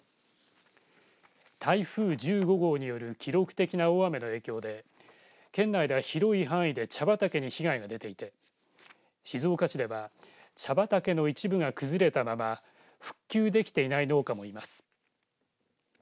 台風１５号による記録的な大雨の影響で県内では、広い範囲で茶畑に被害が出ていて静岡市では茶畑の一部が崩れたまま復旧できていない農家もいます。